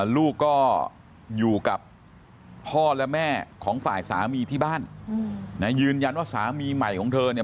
ลูกก็อยู่กับพ่อและแม่ของฝ่ายสามีที่บ้านยืนยันว่าสามีใหม่ของเธอเนี่ย